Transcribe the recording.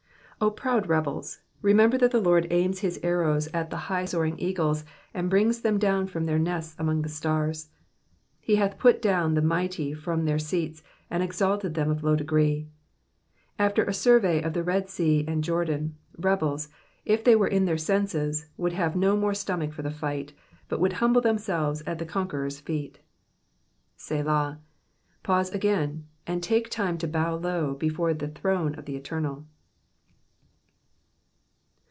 O proud rebels, remember that the Lord aims his arrows at the high soaring eagles and brings them down from their nest among the stars. He hath put down the mighty from their seats, and exalted them of low degree." After a survey of the Red Sea and Jordan, rebels, if they were in their senses, would have no more stomach for the fight, but would humble them selves at the Conqueror's feet. 5!eZaA." Pause again, and take time to bow low before the throne of the Eternal.